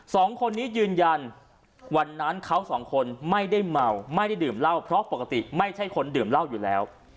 สองคนนี้ยืนยันวันนั้นเขาสองคนไม่ได้เมาไม่ได้ดื่มเหล้าเพราะปกติไม่ใช่คนดื่มเหล้าอยู่แล้ว